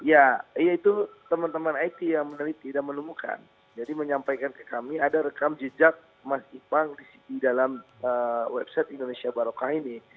ya itu teman teman it yang meneliti dan menemukan jadi menyampaikan ke kami ada rekam jejak mas ipang di dalam website indonesia barokah ini